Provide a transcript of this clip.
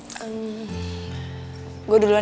intinya lo mau balik aja